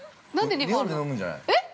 ◆２本で飲むんじゃない？